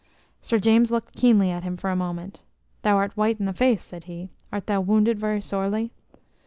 Sir James looked keenly at him for a moment. "Thou art white i' the face," said he. "Art thou wounded very sorely?"